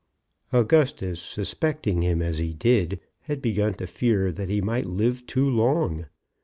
Augustus, suspecting him as he did, had begun to fear that he might live too long.